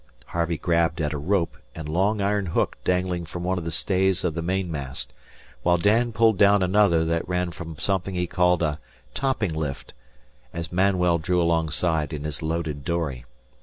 Harvey grabbed at a rope and long iron hook dangling from one of the stays of the mainmast, while Dan pulled down another that ran from something he called a "topping lift," as Manuel drew alongside in his loaded dory.